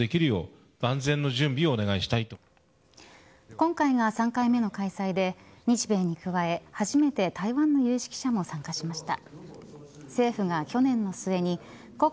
今回が３回目の開催で日米に加え初めて台湾の有識者も参加しました。